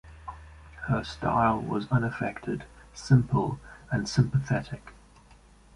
Her style was unaffected, simple, and sympathetic.